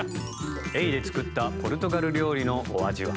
エイで作ったポルトガル料理のお味は？